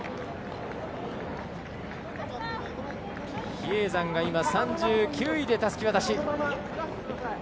比叡山が３９位でたすき渡し。